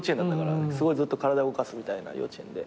すごいずっと体動かすみたいな幼稚園で。